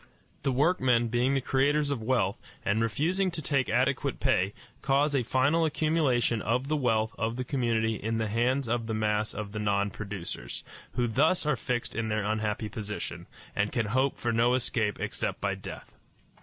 The workmen being the creators of wealth, and refusing to take adequate pay, cause a final accumulation of the wealth of the community in the hands of the mass of the non producers, who thus are fixed in their unhappy position, and can hope for no escape except by death.